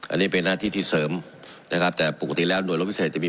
อันนี้เป็นหน้าที่ที่เสริมนะครับแต่ปกติแล้วหน่วยรถพิเศษจะมี